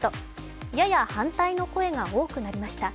やや反対の声が多くなりました。